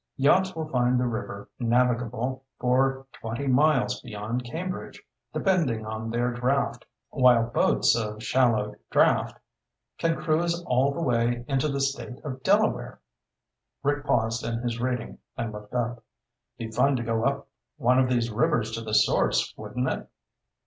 Yachts will find the river navigable for twenty miles beyond Cambridge, depending on their draft, while boats of shallow draft can cruise all the way into the State of Delaware.'" Rick paused in his reading and looked up. "Be fun to go up one of these rivers to the source, wouldn't it?"